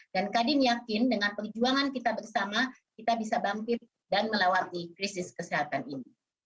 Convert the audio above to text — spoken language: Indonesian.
dan kadin yakin dengan perjuangan kita bersama kita bisa bangkit dan melawati krisis kesehatan ini